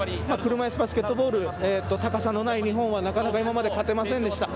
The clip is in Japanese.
車いすバスケットボール、高さのない日本は今まで勝てませんでした。